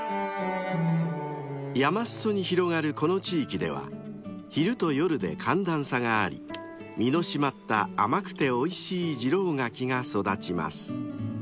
［山裾に広がるこの地域では昼と夜で寒暖差があり身の締まった甘くておいしい次郎柿が育ちます］